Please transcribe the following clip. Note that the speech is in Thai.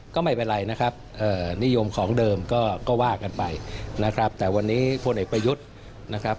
ก็ไม่เป็นไรนะครับนิยมของเดิมก็ว่ากันไปนะครับแต่วันนี้พลเอกประยุทธ์นะครับ